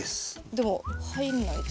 でも入んないです。